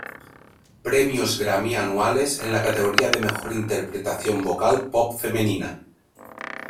Premios Grammy Anuales en la categoría de Mejor Interpretación Vocal Pop Femenina.